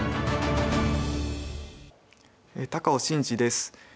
高尾紳路です。